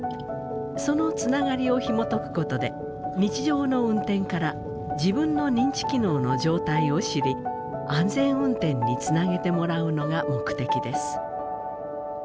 そのつながりをひもとくことで日常の運転から自分の認知機能の状態を知り安全運転につなげてもらうのが目的です。